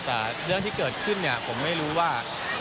แต่เรื่องที่เกิดขึ้นเนี่ยผมไม่รู้ว่า